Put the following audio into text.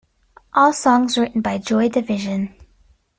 All songs written by Joy Division.